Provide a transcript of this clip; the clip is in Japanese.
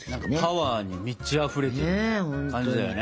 パワーに満ちあふれてる感じだよね。